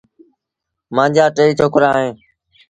مآݩجآ ٽي ڇوڪرآ اوهيݩ ۔